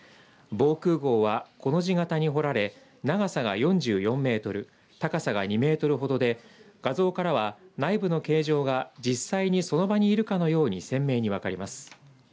防空ごうはコの字型に掘られ長さが４４メートル高さが２メートルほどで画像からは内部の形状が実際に、その場にいるかのように鮮明に分かります。